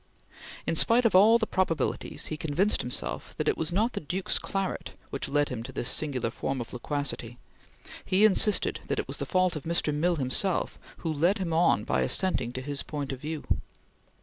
In spite of all the probabilities, he convinced himself that it was not the Duke's claret which led him to this singular form of loquacity; he insisted that it was the fault of Mr. Mill himself who led him on by assenting to his point of view.